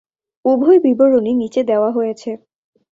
উভয় বিবরণই নিচে দেওয়া হয়েছে।